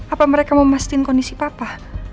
apa mereka mau mestiin kondisi papa